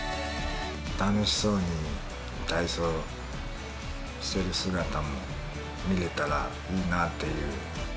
楽しそうに体操してる姿も見れたらいいなっていう。